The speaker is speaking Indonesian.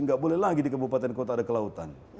tidak boleh lagi di kebupatan kota ada kelautan